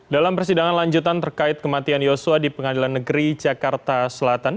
dalam persidangan lanjutan terkait kematian yosua di pengadilan negeri jakarta selatan